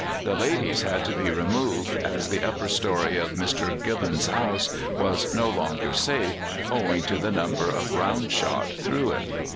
The ladies had to be removed, as the upper story of Mr. Gubbins' house was no longer safe, owing to the number of round shot through it.